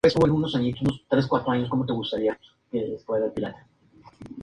No hay fuentes de agua de la isla.